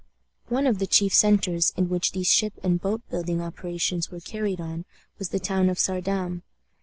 One of the chief centres in which these ship and boat building operations were carried on was the town of Saardam.